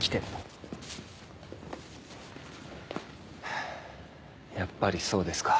ハァやっぱりそうですか。